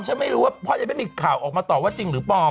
ผมไม่รู้ว่าจะพลาดนึกข่าวออกมาต่อว่าจริงหรือปลอม